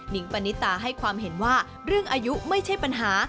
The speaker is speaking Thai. ปณิตาให้ความเห็นว่าเรื่องอายุไม่ใช่ปัญหา